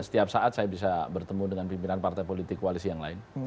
setiap saat saya bisa bertemu dengan pimpinan partai politik koalisi yang lain